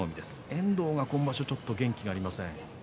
遠藤が今場所ちょっと元気がありません。